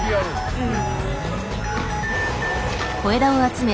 うん。